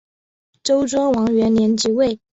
周庄王元年即位。